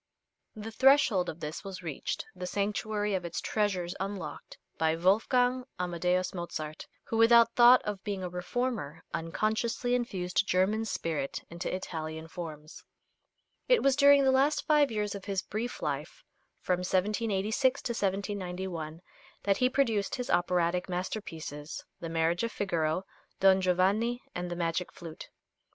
The threshold of this was reached, the sanctuary of its treasures unlocked, by Wolfgang Amadeus Mozart, who, without thought of being a reformer, unconsciously infused German spirit into Italian forms. It was during the last five years of his brief life, from 1786 to 1791, that he produced his operatic masterpieces, "The Marriage of Figaro," "Don Giovanni," and "The Magic Flute."